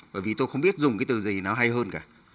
bởi vì tôi không biết dùng cái từ gì nó hay hơn cả